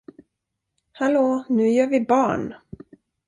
Hallå, nu gör vi barn!